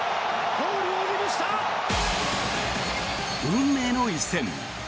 運命の一戦。